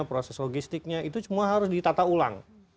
proses logistiknya itu semua harus ditata ulang